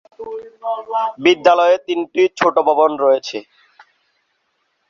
বিদ্যালয়টিতে তিনটি ছোট ভবন রয়েছে।